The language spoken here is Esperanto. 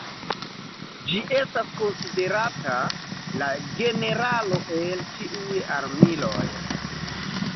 Ĝi estas konsiderata "La Generalo el ĉiuj Armiloj".